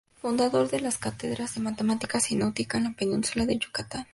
Fundador de las cátedras de matemáticas y náutica en la península de Yucatán.